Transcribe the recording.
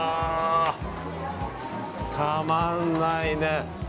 たまんないね。